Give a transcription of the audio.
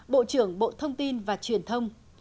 bộ trưởng bộ thông tin và truyền thông